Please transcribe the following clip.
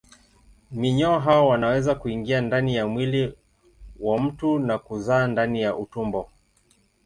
Minyoo hao wanaweza kuingia ndani ya mwili wa mtu na kuzaa ndani ya utumbo.